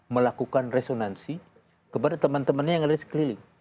melakukan resonansi kepada teman temannya yang ada di sekeliling